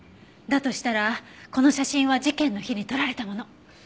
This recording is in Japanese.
だとしたらこの写真は事件の日に撮られたもの。